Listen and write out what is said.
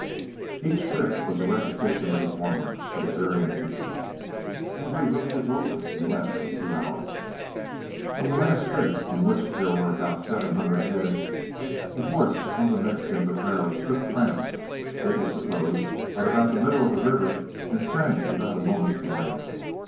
Each trip was a repetition of the former, with varying incident. Every hoof was over in less than two hours. On the last trip, in which there were about seven hundred head, the horse of one of the Mexican vaqueros took cramps, it was supposed, at about the middle of the river, and sank without a moment's warning.